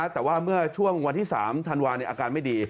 แต่ว่าเมื่อช่วงวันที่๓ธันวาอาการไม่ดี